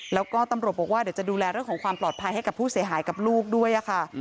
แล้วก็ตำรวจบอกว่าเดี๋ยวจะดูแลเรื่องของความปลอดภัยให้กับผู้เสียหายกับลูกด้วยค่ะ